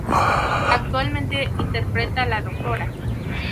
Actualmente interpreta a la Dra.